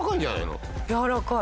やわらかい。